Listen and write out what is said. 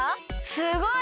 すごい！